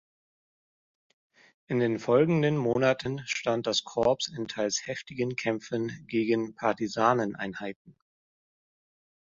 In den folgenden Monaten stand das Korps in teils heftigen Kämpfen gegen Partisaneneinheiten.